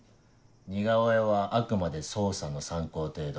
似顔絵はあくまで捜査の参考程度。